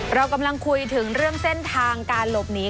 เรากำลังคุยถึงเรื่องเส้นทางการหลบหนี